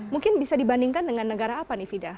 mungkin bisa dibandingkan dengan negara apa nih fida